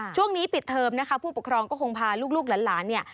ช่วงนี้ปิดเทอมนะคะผู้ปกครองก็คงพาลูกหลานเนี่ย